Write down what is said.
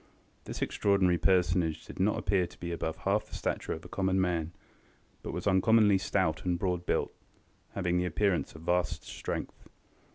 This extraordinary personage did not appear to be above half the stature of a common man, but was uncommonly stout and broad–built, having the appearance of vast strength.